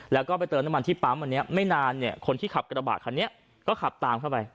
แล้วก็ไปเติมน้ำมันที่ปั๊มอันนี้ไม่นานเนี่ยคนที่ขับกระบะคันนี้ก็ขับตามเข้าไป